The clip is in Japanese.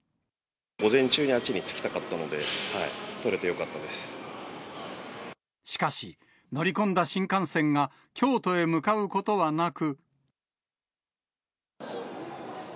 午前中にあっちに着きたかっしかし、乗り込んだ新幹線が京都へ向かうことはなく。